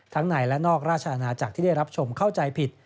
ในและนอกราชอาณาจักรที่ได้รับชมเข้าใจผิด